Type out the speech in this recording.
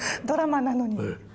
ドラマなのに。